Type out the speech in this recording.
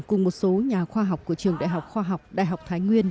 cùng một số nhà khoa học của trường đại học khoa học đại học thái nguyên